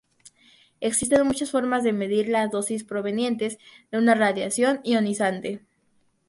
Existen muchas formas de medir las dosis provenientes de una radiación ionizante.